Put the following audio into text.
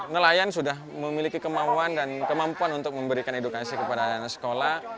nelayan sudah memiliki kemauan dan kemampuan untuk memberikan edukasi kepada anak anak sekolah